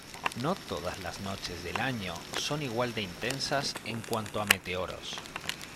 No todas las noches del año son igual de intensas en cuanto a meteoros.